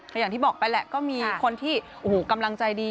ก็อย่างที่บอกไปแหละก็มีคนที่กำลังใจดี